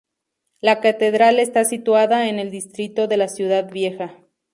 La catedral está situada en el distrito de la Ciudad Vieja.